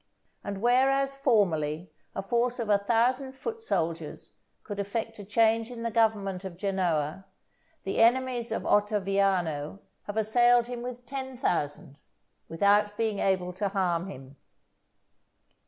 And whereas, formerly, a force of a thousand foot soldiers could effect a change in the government of Genoa, the enemies of Ottaviano have assailed him with ten thousand, without being able to harm him.